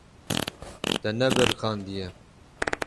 Te nebiriqandiye.